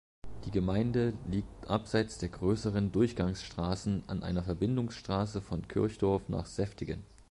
Die Gemeinde liegt abseits der grösseren Durchgangsstrassen an einer Verbindungsstrasse von Kirchdorf nach Seftigen.